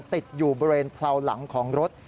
ติดอยู่บริเวณเลาหลังของรถ